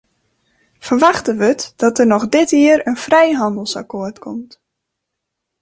Ferwachte wurdt dat der noch dit jier in frijhannelsakkoart komt.